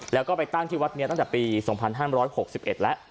แล้วก็ไปตั้งที่วัดนี้ตั้งแต่ปี๒๕๖๑แล้ว